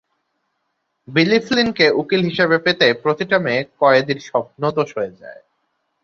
বিলি ফ্লিনকে উকিল হিসেবে পেতে, প্রতিটা মেয়ে কয়েদীর স্বপ্নদোষ হয়ে যায়।